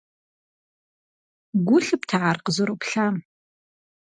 Гу лъыпта ар къызэроплъам?